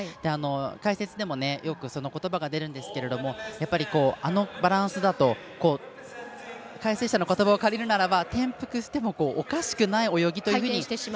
解説でも、よくそのことばが出るんですけれどもやっぱり、あのバランスだと解説者のことばを借りるならば転覆してもおかしくない泳ぎというふうに。